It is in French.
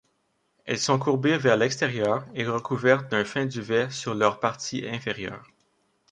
Elles sont courbées vers l'extérieur et recouvertes d'un fin duvet sur leur partie inférieure.